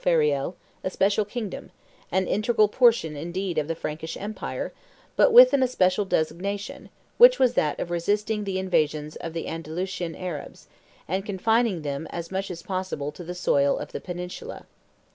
Fauriel, "a special kingdom," an integral portion, indeed, of the Frankish empire, but with an especial destination, which was that of resisting the invasions of the Andalusian Arabs, and confining them as much as possible to the soil of the Peninsula.